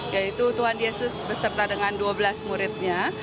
yaitu tuhan yesus beserta dengan dua belas muridnya